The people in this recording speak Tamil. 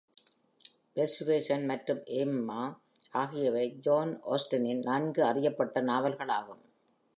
பெர்சுவேஷன் மற்றும் எம்மா ஆகியவை ஜேன் ஆஸ்டனின் நன்கு அறியப்பட்ட நாவல்கள் ஆகும்